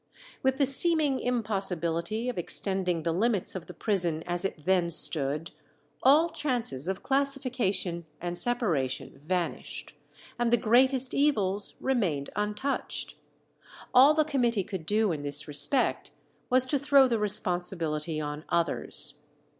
With the seeming impossibility of extending the limits of the prison as it then stood, all chances of classification and separation vanished, and the greatest evils remained untouched. All the committee could do in this respect was to throw the responsibility on others.